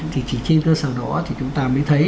thì chỉ trên cơ sở đó thì chúng ta mới thấy